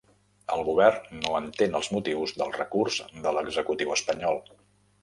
El govern no entén els motius del recurs de l'executiu espanyol